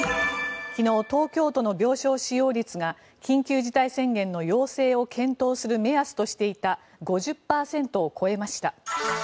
昨日、東京都の病床使用率が緊急事態宣言の要請を検討する目安としていた５０％を超えました。